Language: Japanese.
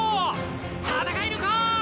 戦い抜こう！